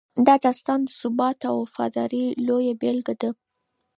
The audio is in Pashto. دا داستان د ثبات او وفادارۍ لویه بېلګه ده.